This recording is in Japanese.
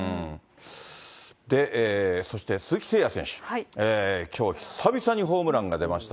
そして鈴木誠也選手、きょう、久々にホームランが出ました。